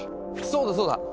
そうだそうだ！